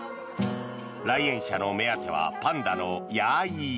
来園者の目当てはパンダのヤーイー。